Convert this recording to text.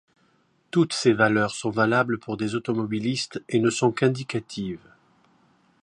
Toutes ces valeurs sont valables pour des automobilistes et ne sont qu'indicatives.